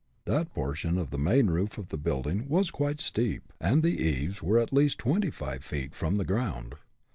That portion of the main roof of the building was quite steep, and the eaves were at least twenty five feet from the ground.